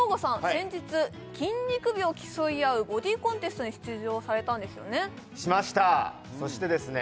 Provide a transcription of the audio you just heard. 先日筋肉美を競い合うボディコンテストに出場されたんですよねしましたそしてですね